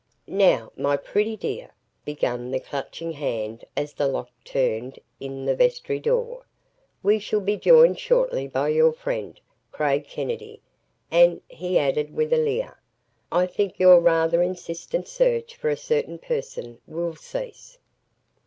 "Now, my pretty dear," began the Clutching Hand as the lock turned in the vestry door, "we shall be joined shortly by your friend, Craig Kennedy, and," he added with a leer, "I think your rather insistent search for a certain person will cease."